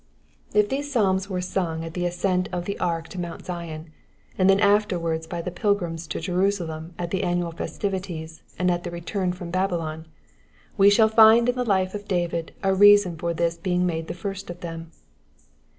If these psalms were sung at the ascent of the ark to Mount Zion, and then afterwards by the pilgrims to Jerusalem at the annual festivals and at the return from Babylon, we shall find in the life of David a reason for this being made the first of them.